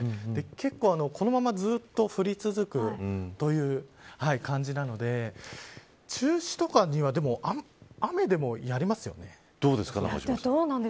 結構このまま、ずっと降り続くという感じなので中止とかにはどうですか、永島さん。